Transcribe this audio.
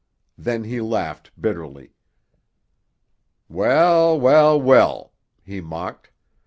Then he laughed bitterly. "Well, well, well!" he mocked.